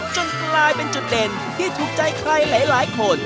จนกลายเป็นจุดเด่นที่ถูกใจใครหลายคน